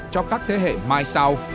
cho các thế hệ mai sau